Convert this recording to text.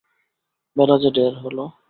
বেলা যে ঢের হল।